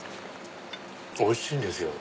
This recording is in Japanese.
おいしいんですよ。